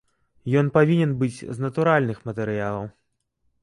Ён павінен быць з натуральных матэрыялаў.